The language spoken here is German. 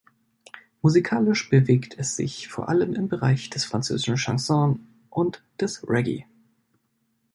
Musikalisch bewegt es sich vor allem im Bereich des französischen Chanson und des Reggae.